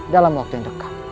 dalam waktu yang dekat